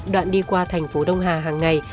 đoạn đi qua tp đông hà hàng ngày